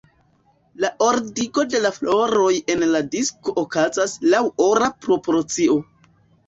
La ordigo de la floroj en la disko okazas laŭ ora proporcio.